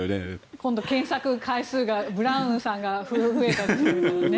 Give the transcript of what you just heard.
今度、検索回数がブラウンさんが増えたりして。